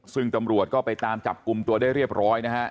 ซึ่งตำรวจก็ไปตามจับกลุ่มตัวได้เรียบร้อยนะฮะ